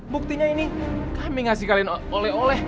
buktinya ini kami ngasih kalian oleh oleh